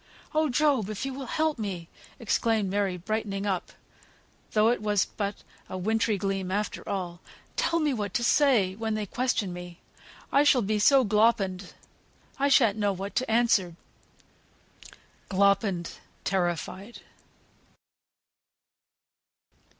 "Oh, Job! if you will help me," exclaimed Mary, brightening up (though it was but a wintry gleam after all), "tell me what to say, when they question me; I shall be so gloppened, I shan't know what to answer." [Footnote 46: "Gloppened," terrified.